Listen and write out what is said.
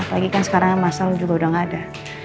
apalagi kan sekarang masal juga udah gak ada